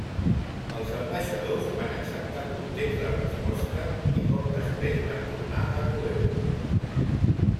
Els ambaixadors van acceptar contents la resposta i poc després van tornar a Toledo.